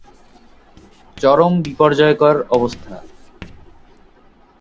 চরম বিপর্যয়কর অবস্থা।